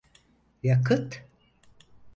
Yakıt…